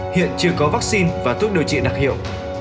hiện chưa có vaccine và thuốc điều trị đặc hiệu